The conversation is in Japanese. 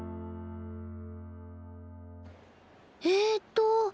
えっと。